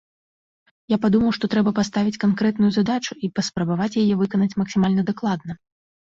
Я падумаў, што трэба паставіць канкрэтную задачу і паспрабаваць яе выканаць максімальна дакладна.